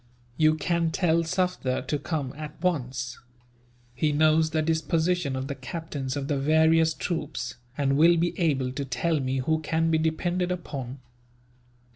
You can tell Sufder to come, at once. He knows the disposition of the captains of the various troops, and will be able to tell me who can be depended upon."